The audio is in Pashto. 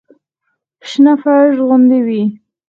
شنه فرش غوندې وي.